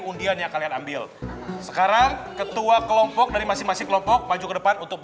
undian yang kalian ambil sekarang ketua kelompok dari masing masing kelompok maju ke depan untuk